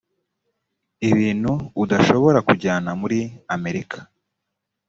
ibintu udashobora kujyana muri amerika